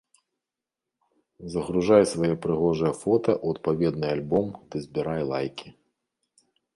Загружай свае прыгожыя фота ў адпаведны альбом ды збірай лайкі.